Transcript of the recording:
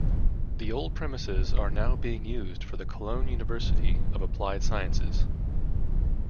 The old premises are now being used for the Cologne University of Applied Sciences.